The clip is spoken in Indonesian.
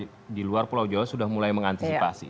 tapi di luar pulau jawa sudah mulai mengantisipasi